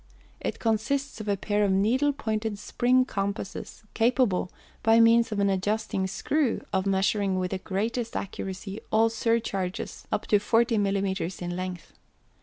It consists of a pair of needle pointed spring compasses, capable, by means of an adjusting screw, of measuring with the greatest accuracy all surcharges up to 40 millimètres in length.